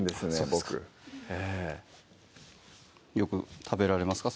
僕よく食べられますか？